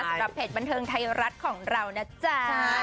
สำหรับเพจบันเทิงไทยรัฐของเรานะจ๊ะ